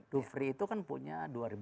doofree itu kan punya dua lima ratus